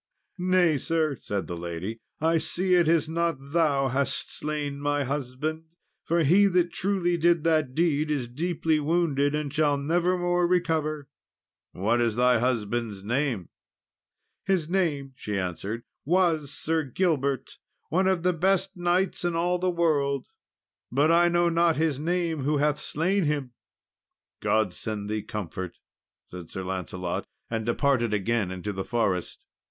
"Nay, sir," said the lady, "I see it is not thou hast slain my husband, for he that truly did that deed is deeply wounded, and shall never more recover." "What is thy husband's name?" said Sir Lancelot. "His name," she answered, "was Sir Gilbert one of the best knights in all the world; but I know not his name who hath slain him." "God send thee comfort," said Sir Lancelot, and departed again into the forest.